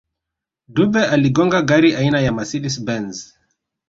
dube aliigonga gari aina ya mercedes benz